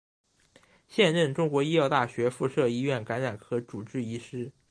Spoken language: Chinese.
现任中国医药大学附设医院感染科主治医师。